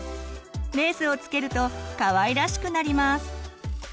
レースを付けるとかわいらしくなります。